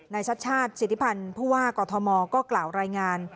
ชัดชาติสิทธิพันธ์ผู้ว่ากอทมก็กล่าวรายงาน